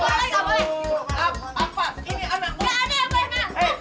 pak ini anakmu